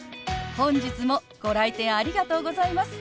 本日もご来店ありがとうございます！